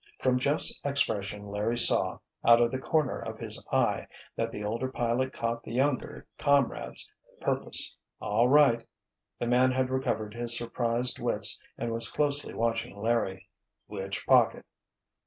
From Jeff's expression Larry saw, out of the corner of his eye, that the older pilot caught the younger comrade's purpose. "All right," the man had recovered his surprised wits and was closely watching Larry. "Which pocket?"